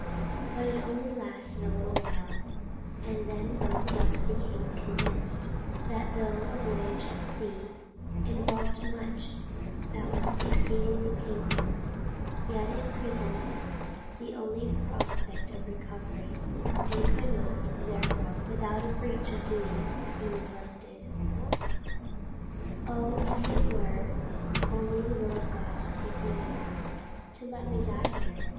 But it lasted only a little while, and then both of us became convinced, that though a voyage at sea involved much that was exceedingly painful, it yet presented the only prospect of recovery, and could not, therefore, without a breach of duty, be neglected. "Oh, if it were only the will of God to take me now to let me die here!"